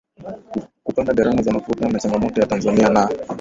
kupanda gharama za mafuta ni changamoto ya tanzania na